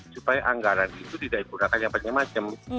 supaya anggaran itu tidak digunakan yang macam macam